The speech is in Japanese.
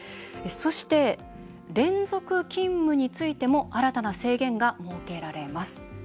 そして連続勤務についても新たな制限が設けられます。